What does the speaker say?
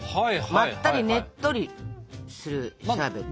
まったりねっとりするシャーベット。